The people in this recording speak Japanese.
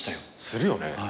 するよね？